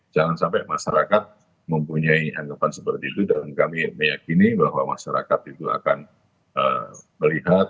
jangan sampai masyarakat mempunyai anggapan seperti itu dan kami meyakini bahwa masyarakat itu akan melihat